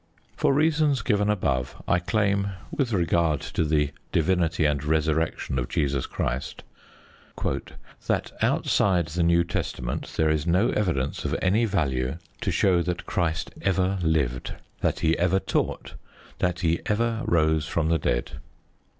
For reasons given above I claim, with regard to the divinity and Resurrection of Jesus Christ: That outside the New Testament there is no evidence of any value to show that Christ ever lived, that He ever taught, that He ever rose from the dead.